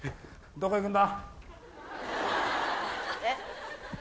どこ行くんだ？